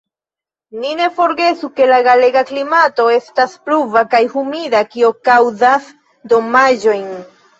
Ni ne forgesu, ke la galega klimato estas pluva kaj humida, kio kaŭzas damaĝojn.